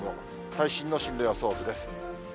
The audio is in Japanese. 最新の進路予想図です。